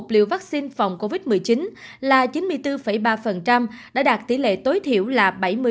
liệu vắc xin phòng covid một mươi chín là chín mươi bốn ba đã đạt tỷ lệ tối thiểu là bảy mươi